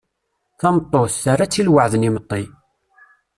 Tameṭṭut, terra-tt i lwaɛd n yimeṭṭi.